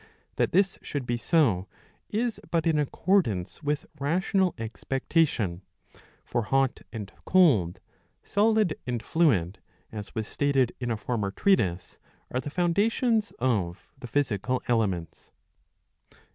That this should be so is but in accordance with rational expectation. For hot and cold, solid and fluid, as was stated in a former treatise," are the foundations of the physical elements.